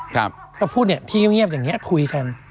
เดร่าพูดไหนที่แล้วเงียบอย่างเนี้ยคุยกัน